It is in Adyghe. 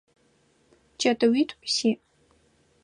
Чэтыуитӏу сиӏ.